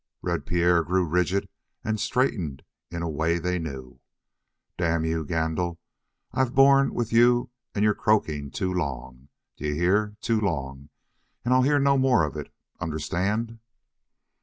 Red Pierre grew rigid and straightened in a way they knew. "Damn you, Gandil, I've borne with you and your croaking too long, d'ye hear? Too long, and I'll hear no more of it, understand?"